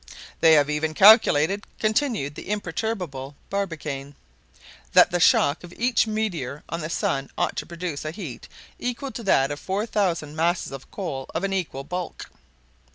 "They have even calculated," continued the imperturbable Barbicane, "that the shock of each meteor on the sun ought to produce a heat equal to that of 4,000 masses of coal of an equal bulk."